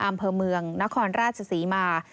อำเภอเมืองนครราชศรีมา